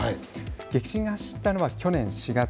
激震が走ったのは去年４月。